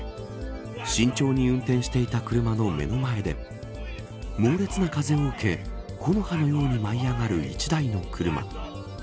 慎重に運転していた車の目の前で猛烈な風を受け木の葉のように舞い上がる１台の車。